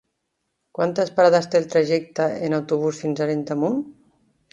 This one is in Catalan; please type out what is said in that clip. Quantes parades té el trajecte en autobús fins a Arenys de Munt?